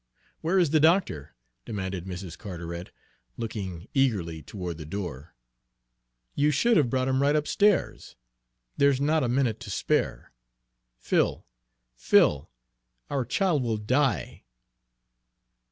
"Where is the doctor?" demanded Mrs. Carteret, looking eagerly toward the door. "You should have brought him right upstairs. There's not a minute to spare! Phil, Phil, our child will die!"